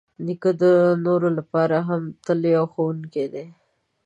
نیکه د نورو لپاره هم تل یو ښوونکی دی.